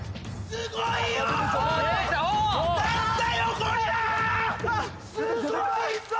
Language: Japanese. すごいぞ。